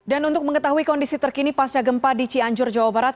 dan untuk mengetahui kondisi terkini pasca gempa di cianjur jawa barat